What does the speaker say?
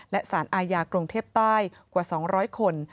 และศาลอายากรุงเทพใต้กว่าสองร้อยคน